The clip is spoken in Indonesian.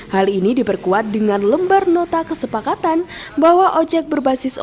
hal ini diperkuat dengan lembar nota kesepakatan bahwa ojek berbasis online